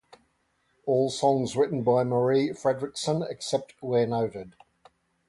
All songs written by Marie Fredriksson, except where noted.